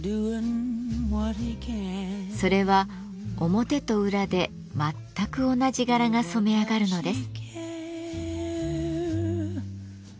それは表と裏で全く同じ柄が染め上がるのです。